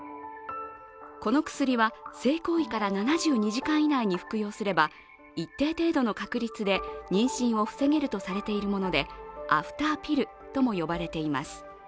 この薬は、性行為から７２時間以内に服用すれば一定程度の確率で妊娠を防げるとされているものでアフターピルとも呼ばれています。